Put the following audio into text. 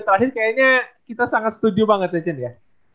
terakhir kayaknya kita sangat setuju banget ya chen ya